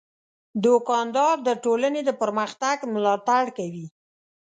دوکاندار د ټولنې د پرمختګ ملاتړ کوي.